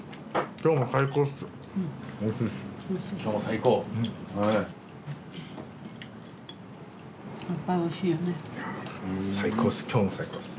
今日も最高です。